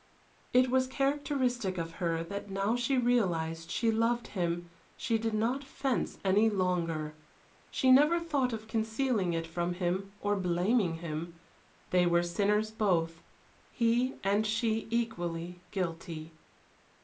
It was characteristic of her that now she realized she loved him she did not fence any longer, she never thought of concealing it from him or of blaming him. They were sinners both, he and she equally guilty.